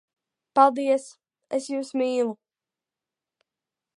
Paldies! Es jūs mīlu!